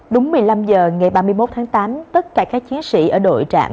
đúng một mươi năm h ngày ba mươi một tháng tám tất cả các chiến sĩ ở đội trạm